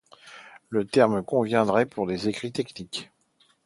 Le terme conviendrait pour des écrits techniques.